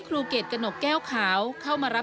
เกรดกระหนกแก้วขาวเข้ามารับ